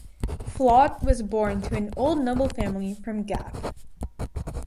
Flotte was born to an old noble family from Gap.